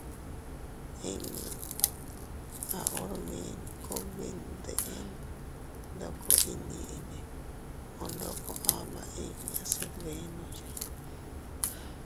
Innu..- A hormin kugbi ndeʼen ndoko inñiinne o ndoko ama inña se dbenoya.